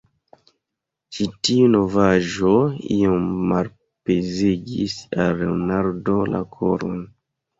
Ĉi tiu novaĵo iom malpezigis al Leonardo la koron.